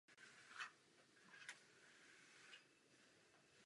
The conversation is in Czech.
Samice kladou vajíčka od května do září.